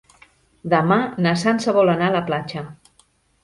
Demà na Sança vol anar a la platja.